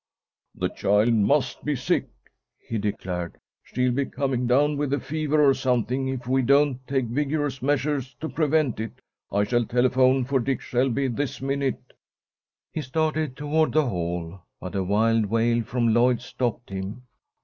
"The child must be sick," he declared. "She'll be coming down with a fever or something if we don't take vigorous measures to prevent it. I shall telephone for Dick Shelby this minute." He started toward the hall, but a wild wail from Lloyd stopped him.